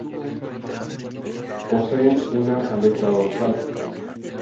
Poseen una aleta dorsal.